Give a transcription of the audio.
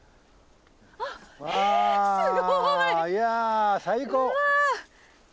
えすごい！